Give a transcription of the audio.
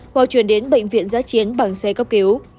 hoặc truyền đến bệnh viện giá chiến bằng xe cấp cứu